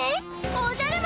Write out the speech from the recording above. おじゃる丸？